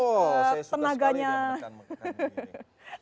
oh saya suka sekali dengan menekan